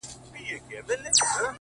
• دښایستونو خدایه اور ته به مي سم نیسې؛